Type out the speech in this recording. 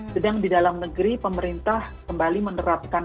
sedang di dalam negeri pemerintah kembali menerapkan